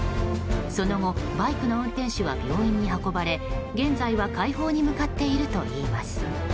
その後、バイクの運転手は病院に運ばれ現在は快方に向かっているといいます。